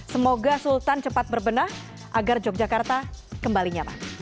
semoga sultan cepat berbenah agar yogyakarta kembali nyaman